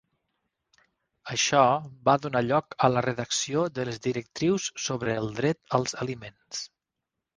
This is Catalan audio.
Això va donar lloc a la redacció de les directrius sobre el dret als aliments.